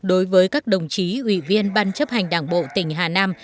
đối với các đồng chí ủy viên ban chấp hành đảng bộ tỉnh hà nam